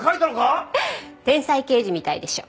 天才刑事みたいでしょ。